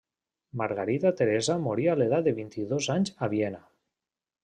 Margarida Teresa morí a l'edat de vint-i-dos anys a Viena.